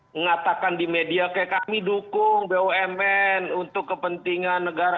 mengatakan di media kayak kami dukung bumn untuk kepentingan negara